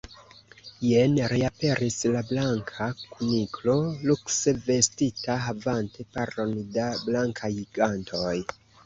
Jen reaperis la Blanka Kuniklo lukse vestita, havante paron da blankaj gantoj.